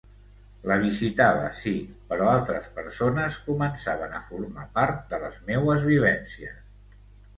La visitava, sí, però altres persones començaven a formar part de les meues vivències.